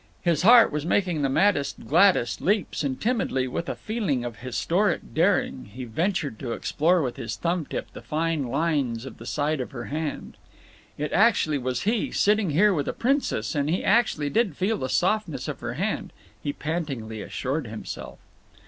His heart was making the maddest gladdest leaps, and timidly, with a feeling of historic daring, he ventured to explore with his thumb tip the fine lines of the side of her hand…. It actually was he, sitting here with a princess, and he actually did feel the softness of her hand, he pantingly assured himself.